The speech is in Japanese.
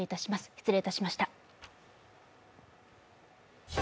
失礼いたしました。